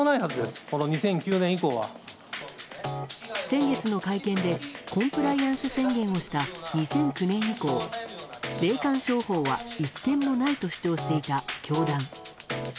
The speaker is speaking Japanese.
先月の会見でコンプライアンス宣言をした２００９年以降、霊感商法は１件もないと主張していた教団。